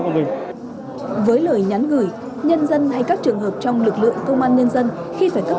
với lời nhắn gửi nhân dân hay các trường hợp trong lực lượng công an nhân dân khi phải cấp